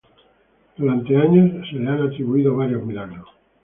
Durante años se le han atribuido varios milagros.